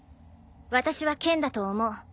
私は剣だと思う。